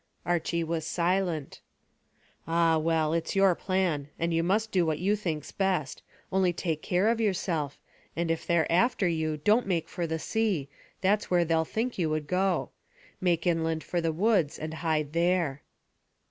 Archy was silent. "Ah, well; it's your plan, and you must do what you think's best, only take care of yourself, and if they're after you, don't make for the sea, that's where they'll think you would go. Make inland for the woods, and hide there."